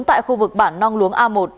tại khu vực bản nong luống a một